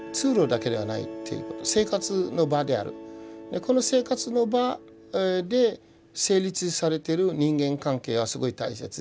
この生活の場で成立されている人間関係はすごい大切で。